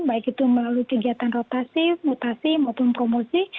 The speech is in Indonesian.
baik itu melalui kegiatan rotasi mutasi maupun promosi